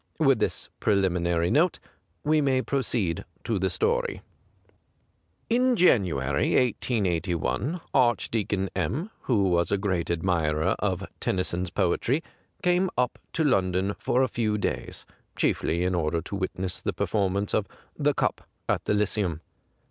With this preliminary note, we may proceed to the story. 167 THE GRAY CAT In January, 1881, Archdeacon M , who was a great admirer of Tennyson's poetry, came up to London for a few days, chiefly in order to witness the performance of ' The Cup,' at the Lyceum.